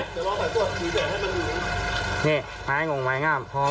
นี่ไม้งงไม้งามพร้อม